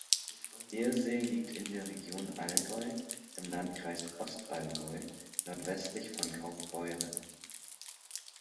Irsee liegt in der Region Allgäu im Landkreis Ostallgäu, nordwestlich von Kaufbeuren.